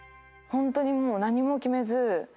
ホントにもう何も決めず。